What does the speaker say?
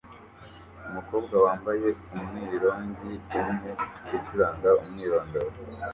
Umukobwa wambaye umwironge umwe ucuranga umwirondoro